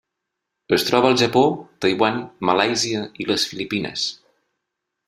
Es troba al Japó, Taiwan, Malàisia i les Filipines.